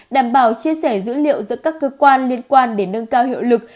đảm bảo chia sẻ dữ liệu giữa các cơ quan liên quan để nâng cao hiệu lực